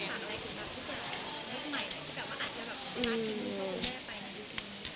คือแบบว่าอาจจะแบบมากขึ้นที่เขาไม่ได้ไปในดุลูก